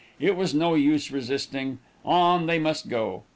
It was no use resisting on they must go.